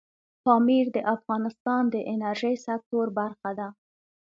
پامیر د افغانستان د انرژۍ سکتور برخه ده.